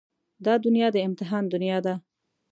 دا دنيا د امتحان دنيا ده.